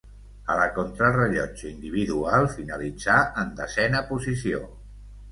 A la contrarellotge individual finalitzà en desena posició.